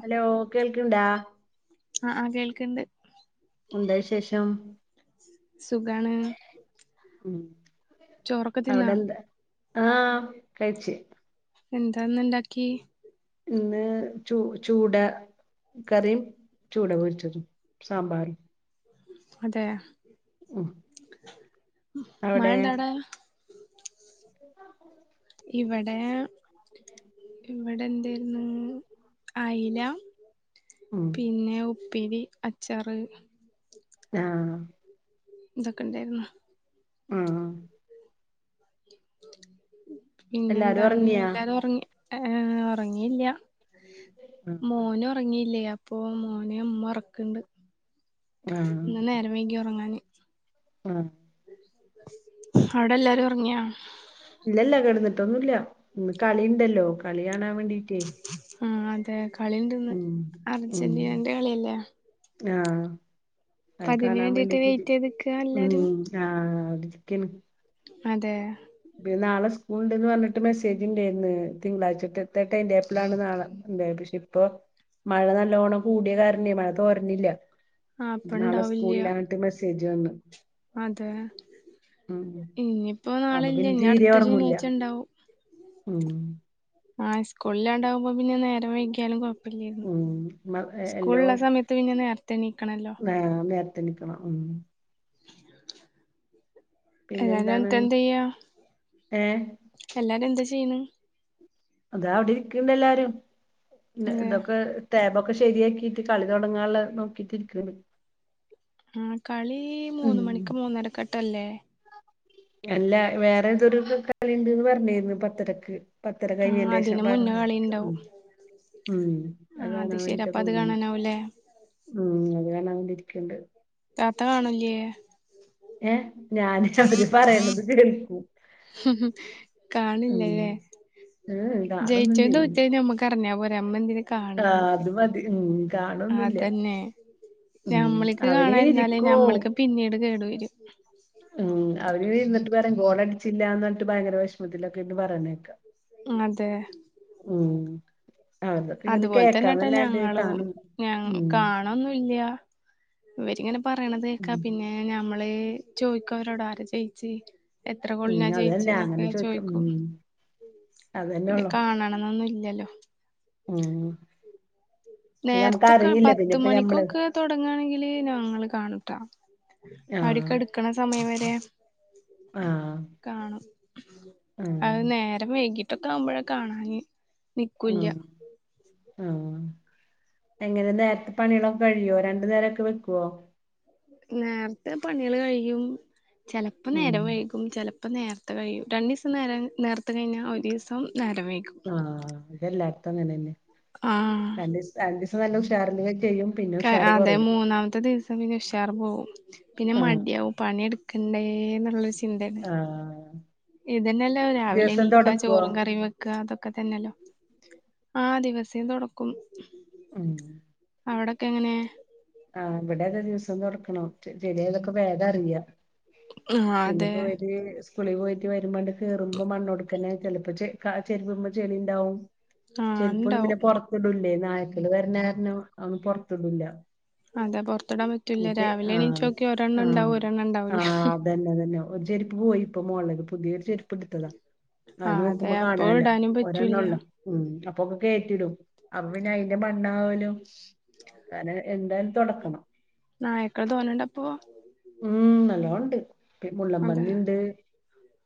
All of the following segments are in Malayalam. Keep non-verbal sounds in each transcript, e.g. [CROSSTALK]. ഹലോ! കേൾക്കണ്ടാ? ആഹ്! ആ.. കേൾക്കണ്ട് എന്താ വിശേഷം? സുഖാണ് ഉം.. ചോറൊക്കെ തിന്നാ അവിടെന്താ? ആഹ കഴിച്ച് എന്താന്ന ഇണ്ടാക്കി? ഇന്ന് ചൂ ചൂട കറിം ചൂട പൊരിച്ചതും സാമ്പാറും അതെ! ഉം.. മഴ അവടെ ഇണ്ടാടാ ഇവടെ ഇവടെ എന്തേര്ന്നു അയില ഉം പിന്നെ ഉപ്പേരി, അച്ചാറ് ആഹ! തോക്കെ ഉണ്ടായിരുന്നു? മ്മ്.. പിന്നെ എല്ലാരും ന്താണ് ഒറങ്ങിയാ എല്ലാരും ഒറങ്ങി ഓറങ്ങില്ല്യ മോന് ഒറങ്ങിയില്ല്യ അപ്പൊ മോനെ ഉമ്മ ഒറക്കണ്ട് ആഹ് ഇന്ന് നേരം വൈകി ഒറങ്ങാന് ആഹ! അവിടെ എല്ലാരും ഒറങ്ങിയാ? ഇല്ലല്ല കിടന്നിട്ടൊന്നുല്ല കളി ഉണ്ടല്ലോ കളി കാണാൻ വേണ്ടീട്ട് ആ.. അതെ കളിണ്ട്ന്ന് ഉം അർജന്റീനന്റെ കളിയല്ലേ ആഹ!.. അപ്പൊ അതിന് അകാണാൻ വേണ്ടിട്ട് വേണ്ടിട്ട വെയിറ്റ് ചെയ്ത് നിക്കാ ഉ എല്ലാരും ആ ചിക്കന് അതെ! പിന്നെ നാളെ സ്കൂള് ണ്ടന്ന് പറഞ്ഞിട്ട് മെസ്സേജ് ഉണ്ടായിന്ന് തിങ്കളാഴ്ചത്തെ ടൈം ടേബിളാണ് നാളെ ഇപ്പൊ മഴ നല്ലോണം കൂടിയ കാരണേ മഴ തൊരാണില്ല്യ ആ അപ്പ നാളെ ഇണ്ടാവില്ല്യ സ്കൂളില്ലാന്നിട്ട് മെസ്സേജ് വന്നു അതെ ഇനിപ്പോ അപ്പൊ നാളല്ല പിന്നെ ഇനി തീരെ അടുത്ത ഒറങ്ങൂല്ല ശനിയാഴ്ച ഉണ്ടാവും ഉം... ആ സ്കുളിലാണ്ടാവുമ്പോ പിന്നെ നേര വൈകിയാലുംകൊ ഉം മ - സ്കൂള് ഉള്ള സമയത്ത് പിന്നെ നേരത്തെ എണീക്കണല്ലോ ആ് നേരത്തെ എണീക്കണം ഉ.. എല്ലാരും പിന്നെന്താണ് എണീറ്റ എന്ത ചെയ്യാ? ഏഹ് എല്ലാരും എന്താ ചെയ്യുന്നു? അതാ അവിടെ ഇരിക്കണ്ട് എല്ലാരും പിന്ന അതെ ഇതൊക്കെ- ടാബോക്കെ ശരിയാക്കിയിട്ട് കളി തുടങ്ങാനുള്ള നോക്കിട്ടിരിക്കുവാണ് ആ കളി മൂന്ന ഉം മണിക്ക് മൂന്നരക്കെട്ടല്ലേ അല്ല വേറെ എന്തൊരു കളിണ്ട്ന്ന് പറഞ്ഞിരുന്നു പത്തരക്ക് പത്തര ആ കഴിഞ്ഞേന്റെ ശേഷം അതിന് [UNINTELLIGIBLE] മുന്നേ കളി പരരിക്കും ഇണ്ടാവും ഉ ഉം ആ അത് അതാണവനെ ശരി അപ്പൊ അത് [UNINTELLIGIBLE] കാണാനാവൂലേ ഉം അതു കാരണം അവന്നിരിക്കണ്ടേ താത്ത കാണില്ലേ ഏഹ് ഞാന് അവര് പറയണത് കേൾക്കും ഉഹും ഉം കാണില്ലല്ലേ ഏഹ് കാണൊന്നും ചെയ്യില്ല ജയിച്ചേതോറ്റാ നമ്മക്ക് തെരഞ്ഞോമ്മന്തിര [UNINTELLIGIBLE] ആഹ് അതു മതി ഉം കാണൊന്നൂല്ല ഞമ്മളിക്കു കാണായിരുന്നാലേ ഇരിക്കും ഞമ്മളുക്കെ പിന്നീട് കേടു വരും ഉം അവരെവെന്നിട്ട് പറേം ഗോളടിച്ചില്ലാന്നെഞ്ഞിട്ട് ഭയങ്കര വിഷമത്തിലൊക്കെ പറയന്നേക്കാം അതെ ഉം അതൊക്കെ ഇങ്ങനെ അതുപോലെ തന്നെട്ടാ കേക്കാന്നല്ലാണ്ട് കാണും ഉം നന്നോല്യ ഇവരിങ്ങനെ പറയണത് കേക്കാ ഉം പിന്നെ ഏഹ് ഞമ്മളേ ചോയിക്കവരോട് ആരാ ജയിച്ചേ എത്ര ഉം ഗോളിനാ അതന്നെ ജെയിച്ചേന്നൊക്കെ അങ്ങനെ ഞാൻ ചോദിക്കാം ചോയിക്കും ഉം അതന്നെ പിന്നെ ഉള്ളു കാണണൊന്നും ഇല്ലല്ലോ ഉം യമ്മക്കറിയില്ല പിന്നിപ്പ ഞമ്മളെ തൊടങ്ങാണെങ്കിലേ ഞങ്ങളു കാണട്ടോ ആഹ് അടിക്കടിക്കണ സമയം വരെ ആഹ് കാണും ആഹ് അത് നേരം വൈകിട്ട് തേക്കമ്പഴാ [UNINTELLIGIBLE] കാണാനെ ആഹ് ആഹ് എങ്ങനെ നേരത്തെ പണികളൊക്കെ കഴിയോ രണ്ടു നേരൊക്കെ വെക്കുവോ നേരത്തെ പണികളു കഴിയും ചെലപ്പം ഉം നേരം വൈകും ഉം ചെലപ്പം നേരത്തെ കഴിയും രണ്ടീസം നേര നേരത്ത കഴിഞ്ഞാ ഒരീസം നേരം വൈകും ആഹ് അതെല്ലാട്ത്തും അങ്ങനന്നെ ആഹ് രണ്ടീസം രണ്ടീസം നല്ല ഉഷാറിലു ചെയ്യും പിന്നെ ക ഉഷാറ് അതെ കുറയും മൂന്നാമത്തെ ദിവസ ഉഷാറു പോകും പിന്നെ ആഹ് മടിയാവും പണിയെടുക്കണ്ടേന്നുള്ളൊരു ചിന്താണ് ആഹ് ഇതല്ലല്ലോ രാവിലെ ദിവസം ലീക്കാ തൊടക്കുവോ ചോറും കറിയും വെക് കാതൊക്കെത്തന്നേല്ലോ ആ ദിവസേം തൊടക്കും ഉം അവിടൊക്കെങ്ങനേ ആഹ് ഇവിടെ ഏതാ ദിവസം തുറക്കണോ ജിലേലൊക്കെ വേദറിയാ ആഹ് അതെ പിന്നിപ്പോ വേദീസ് കുളി പോയിട്ട് വരുമ്പണ്ട് കേറുമ്പം മണ്ണോടുക്കനെ ചെലപ്പം ചെ കാ ചെരുപ്പുമ്മേ ചെളീണ്ടാവും ആഹ് ചെരിപ്പൊന്നും ഇണ്ടാവും പിന്നെ പുറത്തിടൂല്ലേ നായക്കല് വരണ കാരണം അന്നും പുറത്തിടൂല്ല അതെ പൊറത്തിടാൻ പറ്റൂല്ല രാവിലെ എണ്ണീറ്റു ആഹ് നോക്കിയാ ഒരെണ്ണം ആഹ് ഉണ്ടാവും ഒരെണ്ണം ഉണ്ടാവൂല്ല ആഹ് ഉഉഹും അതന്നെ തന്നെ ഒരു ചെരുപ്പ് പോയി ഇപ്പൊ മോൾടേത് പുതിയൊരു ചെരുപ്പെടുത്തതാ അത് ആഹ് അതെ നോക്കുമ്പോ അപ്പൊ കാണാനില്ല ഇടാനും ഒരെണ്ണം പറ്റൂല്ല ഒള്ളൊ ഉം അപ്പൊക്കെ കേറ്റിടും അപ്പൊ പിന്നെ അയിന്റെ മണ്ണാകലും അനേ എന്തായാലും തൊടക്കണം നായ്ക്കളെ തോനണ്ടപ്പോ ഉം നല്ലോണ്ട് പി അതെ മുള്ളമ്പന്നീണ്ട്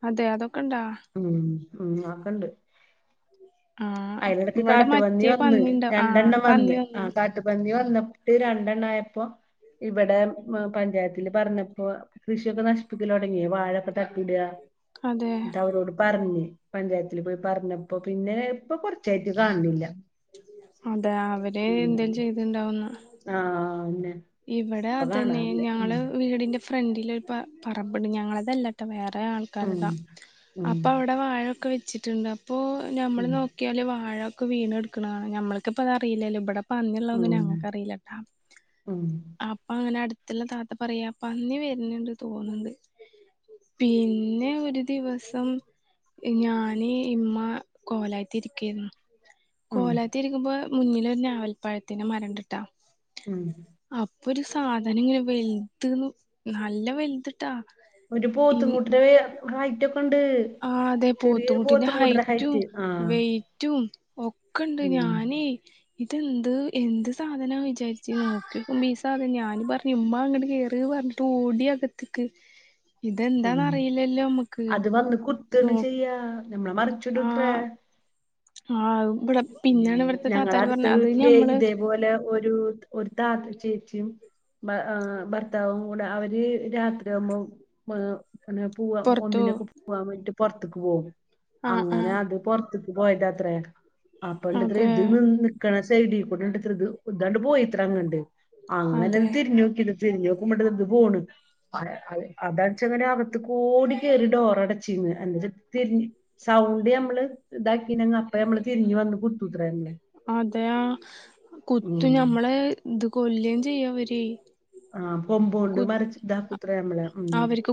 അതെ അതൊക്കെ ഇണ്ടാ ഉം ഉം ആക്കണ്ട് ആ അയിലെടക്ക് ഇവിടെ കാട്ടുപന്നി മറ്റേ വന്ന് പന്നിണ്ട ആ രണ്ടെണ്ണം പന്നി വന്ന് ആ കാ ട്ട് പന്നി വന്ന് ട്ട് രണ്ടെണ്ണായപ്പോ ഇവടെ പഞ്ചായത്തില് പറഞ്ഞപ്പോ കൃഷിയൊക്കെ നശിപ്പിക്കലൊടങ്ങി വാഴ താക്കിട അതെ ന്ന്ട്ടവരോട് പർഞ് പഞ്ചായത്തില് പോയി പറഞ്ഞപ്പോ പിന്നെ ഇപ്പ കൊർച്ചായിട്ട് കാൻണില്ല അതാ അവര് എന്തേ ചെയ്ത്ണ്ടാവുന്നാ ആ അന്നെ ഇവിടെ ഇപ്പൊ അതന്നെ കാണാറില്ല ഉം ഞങ്ങള് വീടിന്റെ ഫ്രണ്ടിലൊരു പറബ്ണ്ട് ഞങ്ങളതല്ലാട്ടോ വേറെ ഉം ആൾക്കാരതാ ഉം അപ്പൊ അവ് ടെ വാഴൊക്കെ വെച്ചിട്ട്ണ്ട് അപ്പോ ഞമ്മൾ ഉം നോ ക്ക്യാല് വാഴൊക്കെ വീണെട്ക്ക്‌ണെ കാണാ ഞമ്മള്ക്ക്‌പ്പതറീലല്ലോ ഇവടെപ്പന്നിള്ളതൊന്നും ഉം ഞങ്ങക്കറിലല്ലോ ഉം അപ്പങ്ങനെ അട്ത്ത്ള്ള താത്ത പറയാ പന്നി വെര്ന്ന്ണ്ട് തോന്ന്ണ്ട് പിന്നെ ഒരു ദിവസം ഞാന് ഇമ്മ കോലായിത്തിരിക്കേന്നു ഉം കോലായ്ത്തിരിക്കുമ്പോ മുന്നിലൊരു ഞാവൽപ്പഴത്തിന്റെ മരണ്ട്ട്ടോ ഉം അപ്പൊ ഒരു സാധനം ഇങ്ങനെ വൽത് നല്ല വൽത്. ത്ത ഒരു പോത്തും കുട്ടീടെ ഹൈറ്റൊക്കെണ്ട് ആ അതെ പോത്തുകുട്ടിന്റെ ഹൈറ്റും ആഹ് വെയ് റ്റും ഒക്കെണ്ട് ഉം ഞാനേ ഇതെന്ത് എന്ത് സാധനാ വിചാരിച്ച് നോക്ക്യോക്കുമ്പോ ഈ സാധനം ഞാന് പർഞ് ഇമ്മാ ങ്ങട്ട് കേറ് പർഞ് തോടി അകത്ത്ക്ക് ഇതെന്താന്ന് ഉം അറിയില്ലല്ലോ മ്മക്ക് അത് വന്ന് കുത്തണ് ചെയ്യാ ഞമ്മളെ മർച്ച്ടുത്രെ ആ [UNINTELLIGIBLE] പിന്നാണ് ഇവിടുത്തെ ഞങ്ങളെ താത്താര് പറഞ്ഞ അട്ത്ത അത് വീട്ടിലെ ഞമ്മള് ഇതേപോലെ ഒരു ഒരു താത്ത ചേച്ചിയും ബ ആ ഭർത്താവും കൂടെ അവര് രാത്രിയാവുമ്പോ മാ ങ്ങനെ പൂവ പൊറത്തു ഒന്നിനൊക്കെ പോവാൻ വേണ്ടിട്ട് പൊർത്ത്ക്ക് പോകും ആഹ് ആഹ് അങ്ങനത് പൊർത്ത്ക്ക് പോയതാത്രേ അപ്പണ്ടത്ര അതെ ഇത് നിന്ന് കണസൈഡി കൂടണ്ട് ത്രേ ഇത് ഇതണ്ട് പോയിത്രേ അങ്ങട്ട് അതെ അങ്ങനെന്ന് തിരിഞ്ഞോക്ക്യത തിര്ഞ്ഞോക്കുമ്പോണ്ട്ത് പോണ് [UNINTELLIGIBLE] അതാണ്ച്ചങ്ങല് അകത്ത്ക്കൂടെ കേറി ഡോറടച്ചീന്ന് എന്തെച്ചാ തിരിഞ്ഞ് സൗണ്ട് മ്മള് ഇതാക്കിനെങ്ങെ അപ്പഞമ്മള് തിരിഞ്ഞ് വന്ന് കുത്തുത്രേ പിന്നെ അതെയാ കുത്തും ഞമ്മളെ ഇത് കൊല്ലും ചെയ്യവര് ആ കൊമ്പോണ്ട് മറിച്ച് ഇതാക്കൂത്രേ നമ്മളെ ഉം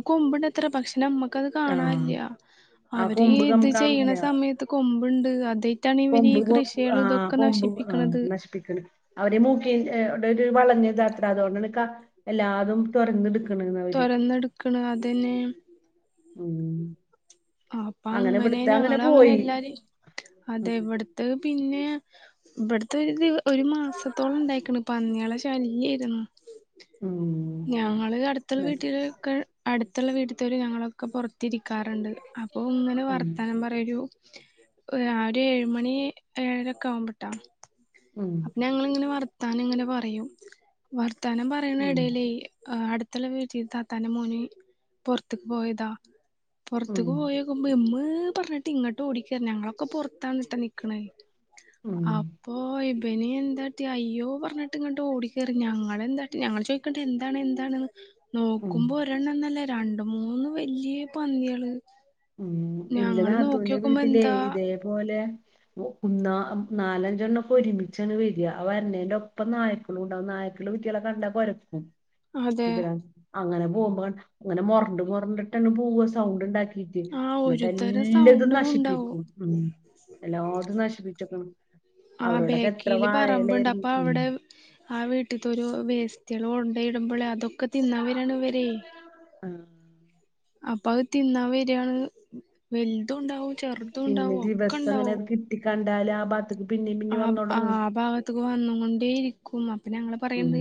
കൊമ്പുണ്ടത്രേ പക്ഷേ ഞമ്മ ക്കത് ആഹ് കാണല്ല ആ അവര് കൊമ്പ് കം ഇത് ചെയ്യണ കാണില്ല സമയത്ത് കൊമ്പ്ണ്ട് അതെ കൊമ്പ് ആ കൊമ്പ് ആ നശിപ്പിക്കണത് നശിപ്പിക്ക്ണ് അവരെ മൂക്കിവിടെ ഒരു വളഞ്ഞതത്രേ അതുകൊണ്ടാണ് ക്ക എല്ലാതും തൊറന്ന്ട് തൊറന്ന്ട്ക്ക്ണ് അതെന്നെ ഉം അങ്ങനെ അപ്പങ്ങനെ ഇവിടുത്തെ അങ്ങനെ ഞങ്ങളങ്ങനെ പോയി എല്ലാരിം അതെ ഉം ഇവട് ത്തത് പിന്നെ ഇവ്ട്ത്തത് ഒരു മാസത്തോളംണ്ടായിക്ക്ണ് പന്ന്യാളെശ ശല്യേര്ന്നു ഉം ഞങ്ങള് അട്ത്തുള്ള എന്നിട്ട് വീട്ടിലൊക്കെ അട്ത്ത്ള്ള വീട്ട്ത്തോര് ഞങ്ങളൊക്കെ പൊറത്തിരിക്കാറ്ണ്ട് അപ്പൊ ങ്ങനെ ഉം വർത്താനം പറ ഒരു അ ഒരു ഏഴുമണി ഏഴരൊക്കാവുമ്പൊട്ടോ ഉം അപ്പൊ ഞങ്ങളിങ്ങനെ വർത്താനങ്ങനെ പറയും വർത്താനം ഉം പറിണെടേലെ അട് ട്ത്ത്ള്ള വീട്ടി താത്താന്റെ മോന് പൊർത്ത്ക്ക് പോയതാ ഉം പൊർത്ത്ക്ക് പോയി ക്കുമ്പൊ മ്മേ പർഞ്ട്ട് ഇങ്ങോട്ട് ഓടിക്കേർന് ഞങ്ങളൊക്കെ പൊർത്താന്ട്ടോ നിക്ക്ണത് ഉം അ പ്പോയിട് ഇവന് എന്താട്ടി അയ്യോ പറഞ്ഞിട്ട് ഇങ്ങോട്ട് ഓടിക്കയറി ഞങ്ങളെന്താട്ടി ഞങ്ങൾ ചോദിക്ണ്ട് എന്താണ് എന്താണ്ന്ന്. ഉം നോക്കുമ്പോ ഒരെണ്ണംന്നല്ല രണ്ട് മൂന്ന് വല്യേ പന്നിയേള് ഉം എന്റെ നാത്തൂവിന്റെ വീട്ടിലേ എന്താ ഇതേപോലെ. ഒ കുന്ന നാലഞ്ചെണ്ണം ഒക്കെ ഒരുമിച്ചാണ് വെര ആ വര്ണേന്റെ ഒപ്പം നായക്ക ക്കൊണുണ്ടാവും നായക്കള് വീറ്റെളെ കണ്ട കൊരക്കും. അതെ ഇതിലെ അങ്ങനെ പോകുമ്പോ ങ്ങനെ മൊറണ്ട് മൊറണ്ടിട്ടാണ് പോവ സൗണ്ട് ഉണ്ടാക്കി ത്തിന് ആ ന്നട്ട് ഒരുതരം എല്ലതും സൗണ്ടും ഉണ്ടാവും നശിപ്പിക്കും ഉം എല്ലാതും നശിപ്പിച്ചക്കണ് ആഹ് ബേക്കില് പറമ്പുണ്ട് അപ്പൊ ഉം അവിടെ ആ വീട്ട്ത്തൊരൊ വേസ്റ്റാള്കൊണ്ടോയിടുമ്പോളെയ് അതൊക്കെ തിന്നാൻ വരാണ് ഇവരെയ് ആഹ് അപ്പൊ അത് തിന്നാൻ വരാണ് വലുതു ണ്ടാവും ചെറുതുണ്ടാവും ഒക്കെ ണ്ടാവും ട്ടി കണ്ടാലാഭാഗത് ഗത്തിക്ക് പിന്നീം പിന്നീം ആ ആ ഭാഗത്തക്ക് വന്ന്ങ്ങൊണ്ടേയിരിക്കും. അപ്പൊ ഞങ്ങൾ ഉം പറയണ്ട്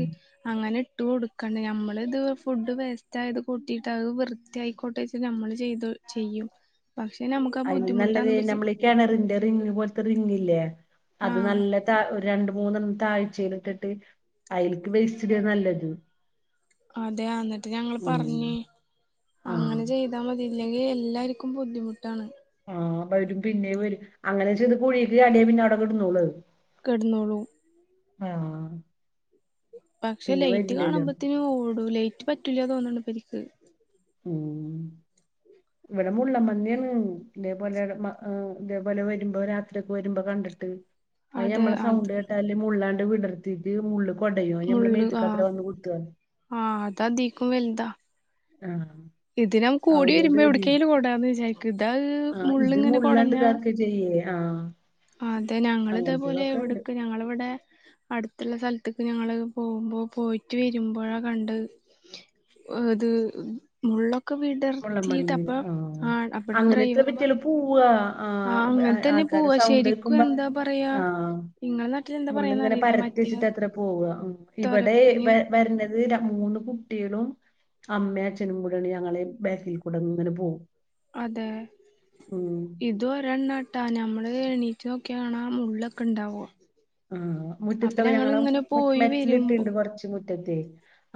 അങ്ങനെ ഇട്ട് കൊടു ക്കണ് ഞമ്മളിത് ഫുഡ് വേസ്റ്റ് ആയത് കൂട്ടിയിട്ട് അത് വൃത്തി ആയിക്കോട്ടെച്ച് നമ്മള് ചെയ്തു ചെയ്യും പക്ഷെ നമുക്ക് ആ ബുദ്ധിമുട്ടാനുമ്പോ ര്ച് കിണറിന്റെ റിങ് പോലത്തെ റിങ്ങലേ ആ അത് നല്ല താ രണ്ട മൂന്നെണ്ണം താഴ്ച്ചേലൊക്കെട്ട് അയിൽക്ക് വേസ്റ്റിടാ നല്ലത് അതെ അന്നിട്ട് ഞങ്ങൾ ഉം പറഞ്ഞ് ആഹ് അങ്ങനെ ചെയ്ത യ്താമതി ഇല്ലെങ്കി എല്ലാര്ക്കും ബുദ്ധിമുട്ടാണ് ആഹ് വരും പിന്നേം വരും അങ്ങനെ ചെന്ന് കുഴിക്ക്ചാടിയാ പിന്നെ അവിടെ കെട്ന്നൊളുഅത് കെട്ന്നോളും ആഹ് പക്ഷെ പിന്നെ ലൈറ്റ് വരില്ലല്ലോ കാണുമ്പത്തിന് ഓടും ലൈറ്റ് പറ്റൂല തോന്നുണ് പര്ക്ക് ഉം ഇവിടെമുള്ളൻ പന്നിയേളും ഇതേപോലെ ള്ള മ അ ഇതേപോലെ വരുമ്പോ രാത്രി ഒക്കെ വരുമ്പോ കണ്ടിട്ട് അയ് അതെ നമ്മളെ അത് സൗണ്ട് ട്ടാല് മുള്ളാണ്ട് വിടർത്തിട്ട് മുള്ള് കൊടയും അയ് ഞമ്മളെ മേത്ത്ക്കാത്രേ വന്ന് കുത്ത്അ ആഹ് ഇതതീക്കും വെൽതാ ആഹ് ഇത് നം കൂടി അവന് വരുമ്പോ പേടിയാ എവ്ട്കേലും ഓടാന്ന് വിചാരിക്ക്‌ ഇതാത് ആഹ് മുള്ള് ഇത് ങ്ങനെ മുള്ളാണ്ട് കൊടഞ്ഞ ഇതാക്കാ ചെയ്യേ ആഹ് അതെ ഞങ്ങങ്ങള്തേപോലെ അങ്ങനത്തതൊക്കെ ഇണ്ട് എവിടുക്ക് ഞങ്ങള് വ്ടെ അടുത്ത്ള്ള സ്ഥലത്ത്ക്ക് ഞങ്ങള് പോകുമ്പോ പോയിട്ട് വരുമ്പോഴാ കണ്ടത് അ ഇത് മുള്ളൊക്കെ വിടർത്തിട്ട് മുള്ളൻപന്നിന അപ്പൊ ആ അപ്പ ഡ്രൈവർ പറ പൂവ അങ്ങനെ ആഹ് തന്നെ ആൾക്കാരെ പോവാ സൗണ്ട് ശരിക്കും കേക്കുമ്പോ എന്താ പറയാ ആഹ് ഇങ്ങളെ നാട്ടിൽ എന്താ മുള്ള്ങ്ങനെ പറയാന്നറിയില്ല പരത്തി മറ്റേ വെച്ചിട്ടത്രേ പോവ്വ ഇവടെ തൊരപ്പന് ഇവെ വരുന്നത് മൂന്ന് കുട്ടികളും അമ്മേ അചനുംകൂടേണ് ഞങ്ങളെ ബാക്കിൽ കൂടെങ്ങനെ പോവും അതെ ഉം ഇത് ഇതൊരെണ്ണാട്ടാ നമ്മള് എണീറ്റ് നോക്കിയകാണാ മുള്ളൊക്കെ ണ്ടാവും ആഹ് മുറ്റത്തക്കെ ഞങ്ങള് പോയി വരുമ്പോ മെറ്റിലിട്ടിണ്ട് കൊറച്ച് മുറ്റത്തെ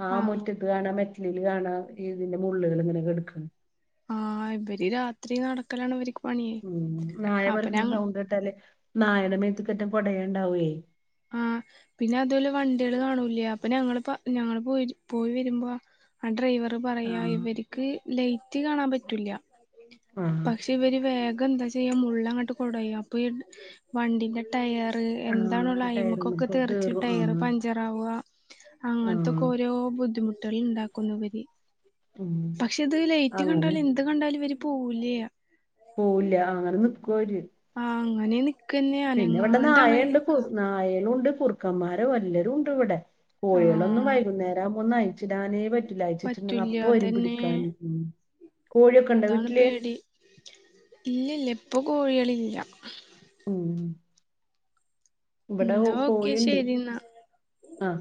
ആ ആഹ് മുറ്റത്ത് ത് കാണ മെറ്റ്ലില് കാണാ ഈ തിന്റെ മുള്ളുകൾ ഇങ്ങനെ കെട്ക്ക്‌ണ് ആഹ് ഇബരിരാത്രി നടക്കലാണ് ഇവര് ഉം നായ കൊരക്ക്‌ണ സൗണ്ട് കേട്ടാല് നായന്റെ മേത്ത്ക്കെറ്റേ കൊടയാണ്ടാവേയ് ആഹ് പിന്നെ അത് വോലെ വണ്ടികള് കാണൂലെ അപ്പൊ ഞങ്ങള് പ്പ ഞങ്ങള് പോയി പോയി വരുമ്പോ ആ ഡ്രൈവറ് ആ പറയാ ഇവര്ക്ക്‌ ലൈറ്റ് കാണാൻ പറ്റൂല്ല ആ പക്ഷെ ഇവര് വേഗം എന്താച്ചെയ്യാ മുള്ളങ്ങട്ട് കൊടയം അപ്പൊ ഈ വണ്ടിന്റെ ടയറ് ആ എന്താണൊള്ളെ ആയിമക്കൊക്കെ ടയറ്മ്മക്കൊക്കെ തെറിച്ചിട്ട് കേറും ആ ടയർ പഞ്ചറാവ ആ അങ്ങനത്തെക്കെ ഓരേ ഓരോ ബുദ്ധിമുട്ടുകൾ ഉണ്ടാക്കുന്നിവര് ഉം പക്ഷെ ഇത് ലൈറ്റ് അങ്ങനെ കണ്ടാലും എന്ത് കണ്ടാലും ഇവര് പോവൂലെ പോവൂല്ല അങ്ങനെ നിക്കവര് ആഹ് അങ്ങനെ നി പിന്നെ ഇവിടെ നായയുണ്ട് കു നായകളുംണ്ട് കുറ ക്കന്മാരെ വല്ലരും ഉണ്ട് ഇവിടെ കോഴികളൊന്നും ആഹ് വൈകുന്നേരകുമ്പോ നയിച്ചിടാനേ പറ്റി ലൈറ്റിട്ടിട്ടുണ്ടെങ്കിൽ പറ്റൂല അപ്പ വരും അതന്നെ പിടിക്കാൻ ഉ കോഴിയൊക്കെ ഇണ്ട അതാണ് വീട്ടില് പേടി ഇല്ലില്ല ഇപ്പൊ കോഴികളില്ല ഉം ഇവിടെ എന്നാ ഓക്കെ കോഴിയിണ്ട് ശരി എന്നാ ആഹ്